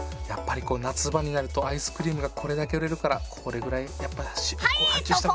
やっぱりこう夏場になるとアイスクリームがこれだけ売れるからこれぐらいやっぱ発注。